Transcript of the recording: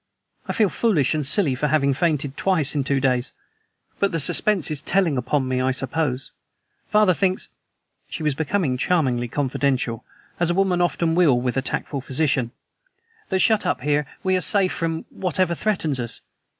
I feel foolish and silly for having fainted, twice in two days! But the suspense is telling upon me, I suppose. Father thinks" she was becoming charmingly confidential, as a woman often will with a tactful physician "that shut up here we are safe from whatever threatens us."